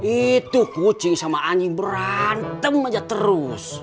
itu kucing sama anjing berantem aja terus